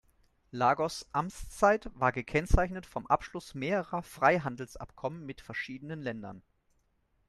Lagos' Amtszeit war gekennzeichnet vom Abschluss mehrerer Freihandelsabkommen mit verschiedenen Ländern.